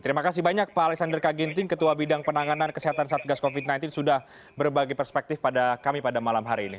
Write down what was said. terima kasih banyak pak alexander kaginting ketua bidang penanganan kesehatan satgas covid sembilan belas sudah berbagi perspektif pada kami pada malam hari ini